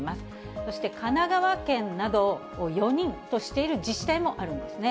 そして神奈川県など、４人としている自治体もあるんですね。